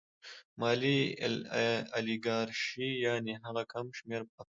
مالي الیګارشي یانې هغه کم شمېر افراد